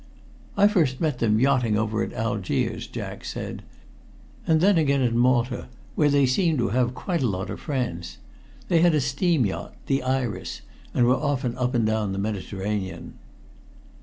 "I first met them yachting over at Algiers," Jack said. "And then again at Malta, where they seemed to have quite a lot of friends. They had a steam yacht, the Iris, and were often up and down the Mediterranean."